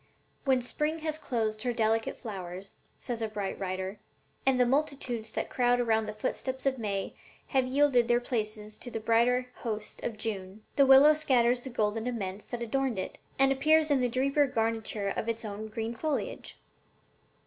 'When Spring has closed her delicate flowers,' says a bright writer, 'and the multitudes that crowd around the footsteps of May have yielded their places to the brighter host of June, the willow scatters the golden aments that adorned it, and appears in the deeper garniture of its own green foliage.'